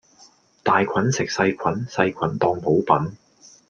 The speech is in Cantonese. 大菌食細菌,細菌當補品